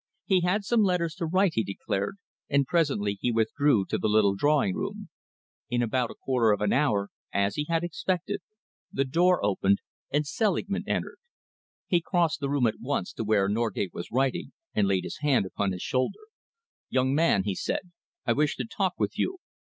He had some letters to write, he declared, and presently he withdrew to the little drawing room. In about a quarter of an hour, as he had expected, the door opened, and Selingman entered. He crossed the room at once to where Norgate was writing and laid his hand upon his shoulder. "Young man," he said, "I wish to talk with you.